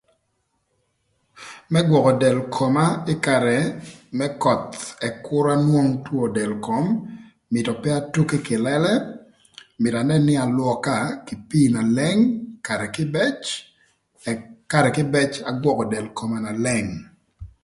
Më gwökö del koma ï karë më köth ëk kür anwong two del kom mïtö pe atuki ï kïlëlë mïtö nën nï alwöka kï pii na lëng karë kïbëc ëk ï karë kïbëc agwökö del koma na leng.